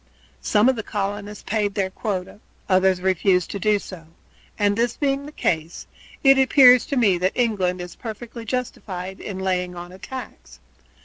Some of the colonists paid their quota, others refused to do so, and this being the case, it appears to me that England is perfectly justified in laying on a tax.